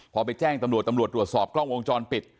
พอไปแจ้งตำรวจตำรวจตรวจสอบกล้องวงจรปิด